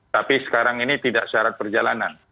tapi sekarang ini tidak syarat perjalanan